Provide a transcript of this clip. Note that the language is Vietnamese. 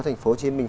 thành phố hồ chí minh